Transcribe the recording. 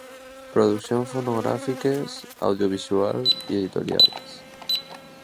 Produccions fonogràfiques, audiovisuals i editorials.